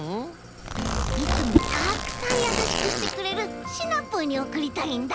いつもたくさんやさしくしてくれるシナプーにおくりたいんだ！